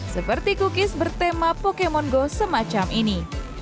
seperti cookies bertema pokemon go semacam ini